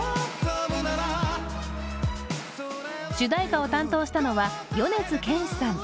主題歌を担当したのは米津玄師さん。